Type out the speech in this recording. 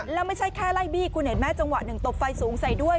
แล้วไม่ใช่แค่ไล่บี้คุณเห็นไหมจังหวะหนึ่งตบไฟสูงใส่ด้วย